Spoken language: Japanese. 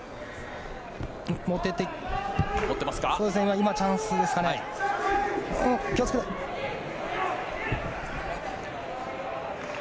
今、チャンスですかね。